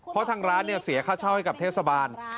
เพราะทางร้านเสียค่าเช่าให้กับเทศบาล